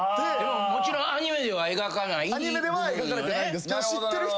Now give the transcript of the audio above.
もちろんアニメでは描かない部分よね。